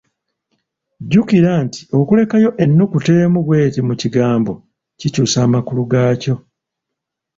Jjukira nti okulekayo ennukuta emu bw'eti mu kigambo kikyusa amakulu gaakyo.